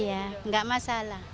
iya enggak masalah